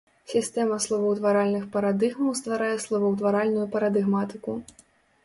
Сістэма словаўтваральных парадыгмаў стварае словаўтваральную парадыгматыку.